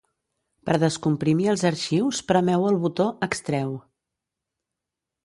Per descomprimir els arxius premeu el botó "extreu".